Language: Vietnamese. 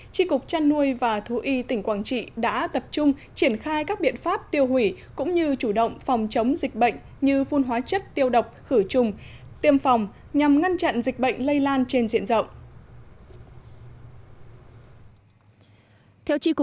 tri cục trăn nuôi và thú y tỉnh quảng trị đã tập trung triển khai các biện pháp tiêu hủy cũng như chủ động phòng chống dịch bệnh như phun hóa chất tiêu độc khử trùng tiêm phòng nhằm ngăn chặn dịch bệnh lây lan trên diện rộng